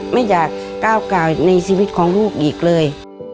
ไม่อยากก้าวไก่ในชีวิตของลูกอีกเลย